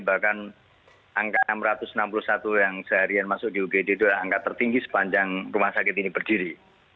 bahkan angka enam ratus enam puluh satu yang seharian masuk di ugd itu adalah angka tertinggi sepanjang rumah sakit ini berdiri